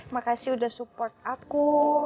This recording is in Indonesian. makasih udah support aku